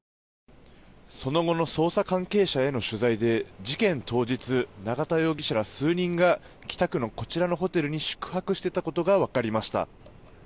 その後の捜査関係者への取材で事件当日、永田容疑者ら数人が北区のこちらのホテルに宿泊していたことがわかりました。